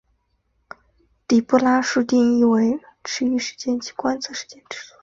底波拉数定义为驰豫时间及观测时间尺度的比值。